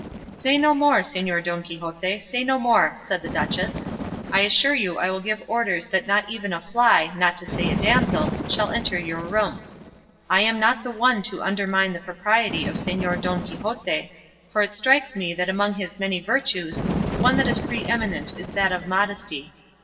"Say no more, Señor Don Quixote, say no more," said the duchess; "I assure you I will give orders that not even a fly, not to say a damsel, shall enter your room. I am not the one to undermine the propriety of Señor Don Quixote, for it strikes me that among his many virtues the one that is pre eminent is that of modesty.